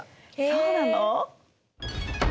そうなの！？